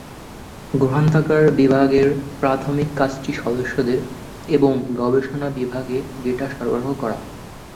গ্রন্থাগার বিভাগের প্রাথমিক কাজটি সদস্যদের এবং গবেষণা বিভাগে ডেটা সরবরাহ করা।